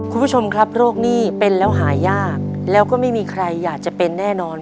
คุณผู้ชมครับโรคหนี้เป็นแล้วหายากแล้วก็ไม่มีใครอยากจะเป็นแน่นอน